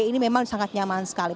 ini memang sangat nyaman sekali